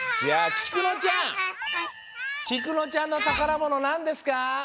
きくのちゃんのたからものなんですか？